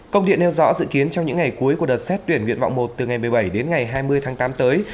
công điện nêu rõ dự kiến trong những ngày cuối của đợt xét tuyển nguyện vọng một từ ngày một mươi bảy đến ngày hai mươi tháng tám tới